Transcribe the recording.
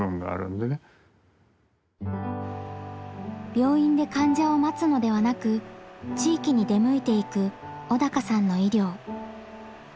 病院で患者を待つのではなく地域に出向いていく小鷹さんの医療。